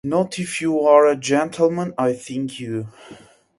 Not if you are the gentleman I think you.